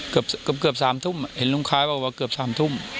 เกือบ๓ทุ่มเห็นลุงคล้ายบอกว่าเกือบ๓ทุ่ม